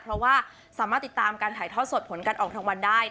เพราะว่าสามารถติดตามการถ่ายทอดสดผลการออกรางวัลได้